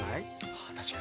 はあ確かに。